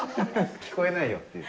聞こえないよという。